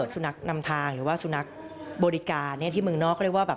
สุนัขนำทางหรือว่าสุนัขบริการเนี่ย